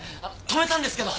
止めたんですけど。